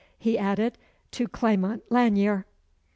he added, to Clement Lanyere.